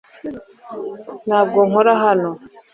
Ntabwo nkora hano .